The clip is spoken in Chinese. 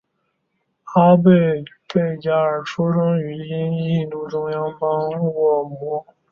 阿姆倍伽尔出生在今印度中央邦姆霍沃。